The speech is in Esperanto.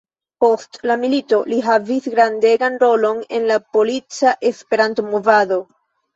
Post la milito li havis gravegan rolon en la polica Esperanto-movado.